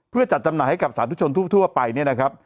เพื่อจัดจำหน่ายให้กับสาธุชนทั่วไปเนี่ยนะครับ